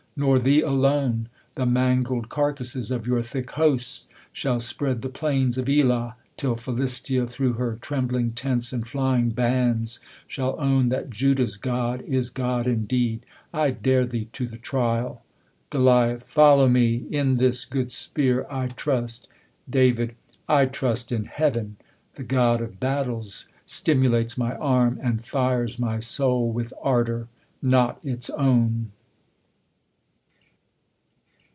Nor thee alone ; The mangled carcases of your thick hosts Shall spread the plains of Elah; till Thilistia, Through her trembling tents and flying bands, Shall own that Judah's God is God indeed ! 1 dare thee to the trial ! GoL Follow me. In this good spear I trust. Dav. I trust in Heaven ! The God of battles stimulates my arm. And fires my soul with ardour, not its own.